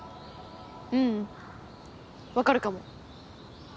ううんわかるかも。